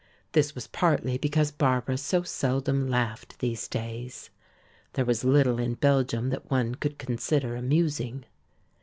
This was partly because Barbara so seldom laughed these days. There was little in Belgium that one could consider amusing.